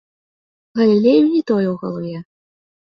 Галілею не тое ў галаве.